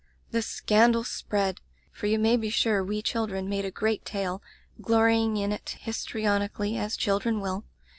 "The scandal spread, for you may be sure we children made a great tale; glorying in it, histrionically, as children will.